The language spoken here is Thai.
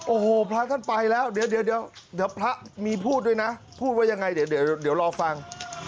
โอ้โหพระท่านไปแล้วเดี๋ยวพระมีพูดด้วยนะพูดว่ายังไงเดี๋ยวรอฟัง